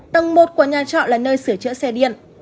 tầng một của nhà trọ là nơi sửa chữa xe điện